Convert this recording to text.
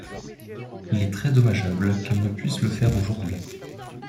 Il est très dommageable qu’elles ne puissent le faire aujourd’hui.